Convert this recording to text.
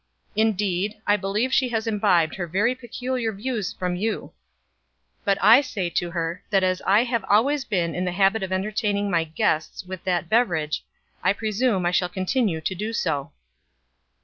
Indeed, I believe she has imbibed her very peculiar views from you; but I say to her that as I have always been in the habit of entertaining my guests with that beverage, I presume I shall continue to do so."